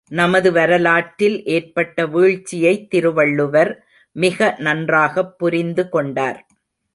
நமது வரலாற்றில் ஏற்பட்ட வீழ்ச்சியைத் திருவள்ளுவர் மிக நன்றாகப் புரிந்து கொண்டார்.